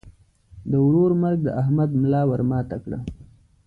د ورور مرګ د احمد ملا ور ماته کړه.